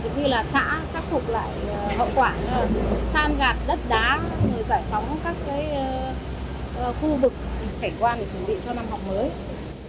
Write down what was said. như là xã khắc phục lại hậu quả san gạt đất đá giải phóng các khu vực cảnh quan để chuẩn bị cho năm học mới